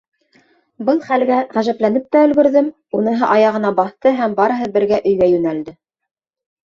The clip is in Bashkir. Был хәлгә ғәжәпләнеп тә өлгөрҙөм, уныһы аяғына баҫты һәм барыһы бергә өйгә йүнәлде.